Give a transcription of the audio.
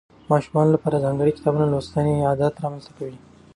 د ماشومانو لپاره ځانګړي کتابونه د لوستنې عادت رامنځته کوي.